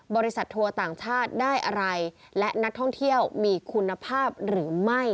ทัวร์ต่างชาติได้อะไรและนักท่องเที่ยวมีคุณภาพหรือไม่